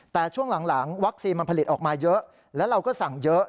แต่ช่วงหลังวัคซีนมันผลิตออกมาเยอะแล้วเราก็สั่งเยอะ